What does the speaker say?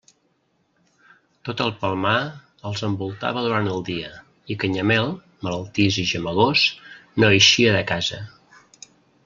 Tot el Palmar els envoltava durant el dia, i Canyamel, malaltís i gemegós, no eixia de casa.